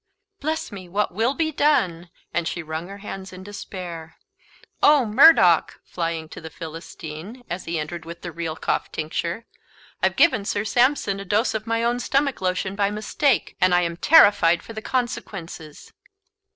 Bless me, what will be done?" and she wrung her hands in despair. "Oh, Murdoch," flying to the Philistine, as he entered with the real cough tincture, "I've given Sir Sampson a dose of my own stomach lotion by mistake, and I am terrified for the consequences!"